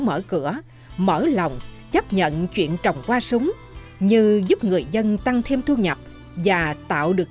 mở cửa mở lòng chấp nhận chuyện trồng qua súng như giúp người dân tăng thêm thu nhập và tạo được